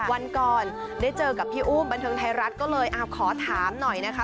วันก่อนได้เจอกับพี่อุ้มบันเทิงไทยรัฐก็เลยขอถามหน่อยนะคะ